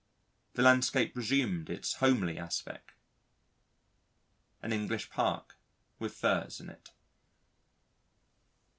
The landscape resumed its homely aspect: an English park with Firs in it.